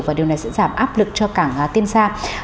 và điều này sẽ giảm áp lực cho cảng tiêm xa